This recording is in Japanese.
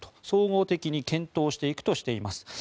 総合的に検討していくとしています。